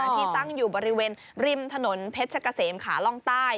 ที่ตั้งอยู่บริเวณริมถนนเพชรกะเสมขาล่องใต้